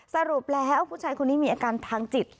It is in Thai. สรุปแล้วผู้ชายคนนี้มีอาการทางจิต